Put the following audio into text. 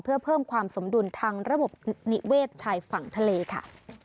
เพื่อเพิ่มความสมดุลทางระบบนิเวศชายฝั่งทะเลค่ะ